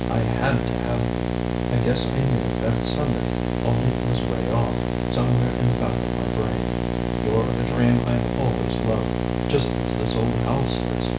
I had to have you. I guess I knew it that Sunday, only it was 'way off, somewhere in the back of my brain. You're a dream I've always loved. Just as this old house is.